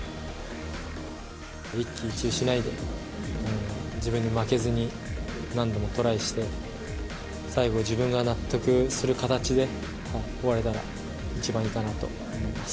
一喜一憂しないで、自分に負けずに、何度もトライして、最後、自分が納得する形で終われたら一番いいかなと思います。